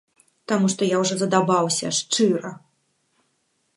Таму што я ўжо задалбаўся, шчыра!